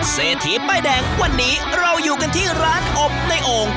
เศรษฐีป้ายแดงวันนี้เราอยู่กันที่ร้านอบในโอ่ง